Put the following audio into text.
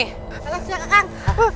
kalian siap kakang